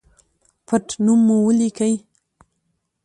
پټنوم مو ولیکئ